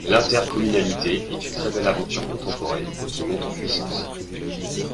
L’intercommunalité est une très belle aventure contemporaine, qui monte en puissance.